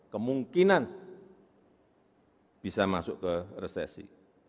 kemungkinan bisa masuk ke resesi